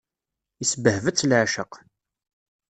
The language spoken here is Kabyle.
Isbehba-tt leɛceq.